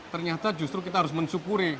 ternyata justru kita harus mensyukuri